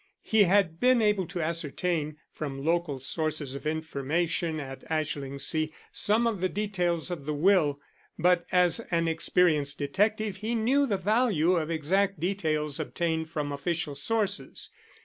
He had been able to ascertain, from local sources of information at Ashlingsea, some of the details of the will, but as an experienced detective he knew the value of exact details obtained from official sources.